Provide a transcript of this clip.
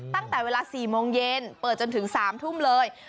ตั้งแต่เวลา๔โมงเย็นเปิดจนถึง๓ทุ่มเลย